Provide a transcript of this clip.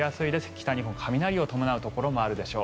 北日本は雷を伴うところもあるでしょう。